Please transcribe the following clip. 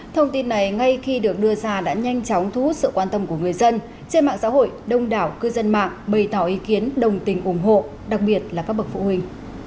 thông tin này ngay khi được đưa ra đã nhanh chóng thu hút sự quan tâm của người dân trên mạng xã hội đông đảo cư dân mạng bày tỏ ý kiến đồng tình ủng hộ đặc biệt là các bậc phụ huynh